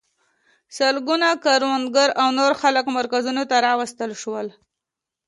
سلګونه کروندګر او نور خلک مرکزونو ته راوستل شول.